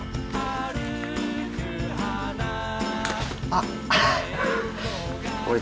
あっ！